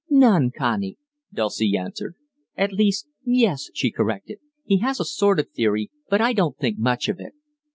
"None, Connie," Dulcie answered. "At least, yes," she corrected, "he has a sort of theory, but I don't think much of it.